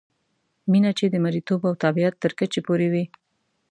مینه چې د مریتوب او تابعیت تر کچې پورې وي.